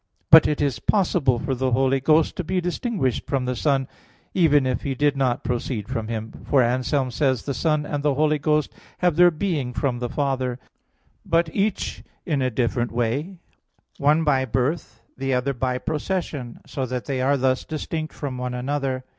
But it is possible for the Holy Ghost to be distinguished from the Son, even if He did not proceed from Him. For Anselm says (De Process. Spir. Sancti, ii): "The Son and the Holy Ghost have their Being from the Father; but each in a different way; one by Birth, the other by Procession, so that they are thus distinct from one another."